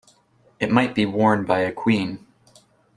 It might be worn by a queen.